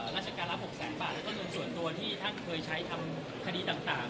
ราชการรับ๖๐๐๐บาทแล้วก็เงินส่วนตัวที่ท่านเคยใช้ทำคดีต่าง